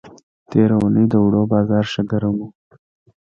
تېره اوونۍ د اوړو بازار ښه گرم و.